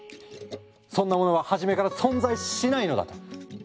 そんなものは初めから存在しないのだと。